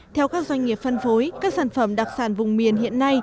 theo các doanh nghiệp phân phối các sản phẩm đặc sản vùng miền hiện nay